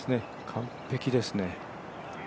完璧ですね。